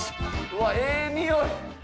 うわええにおい！